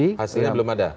hasilnya belum ada